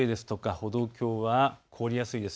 歩道橋は凍りやすいです。